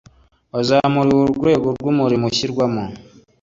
wazamuriwe urwego rw umurimo ushyirwamo